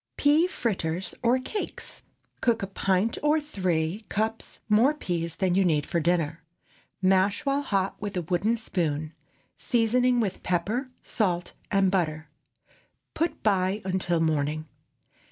PEA FRITTERS OR CAKES. ✠ Cook a pint or three cups more peas than you need for dinner. Mash while hot with a wooden spoon, seasoning with pepper, salt, and butter. Put by until morning.